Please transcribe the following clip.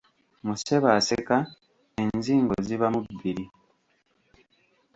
Mu Ssebaaseka enzingo ziba mu bbiri.